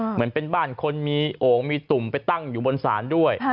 เหมือนเป็นบ้านคนมีโอ่งมีตุ่มไปตั้งอยู่บนศาลด้วย